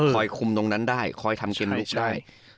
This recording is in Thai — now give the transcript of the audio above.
คุมตรงนั้นได้คอยทำเกมลุกได้